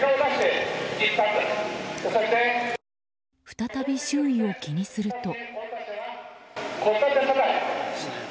再び周囲を気にすると。